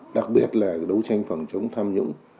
đặc biệt là đấu tranh phòng chống tham nhũng